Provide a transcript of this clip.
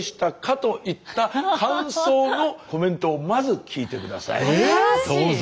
と言った感想のコメントをまず聞いて下さいどうぞ。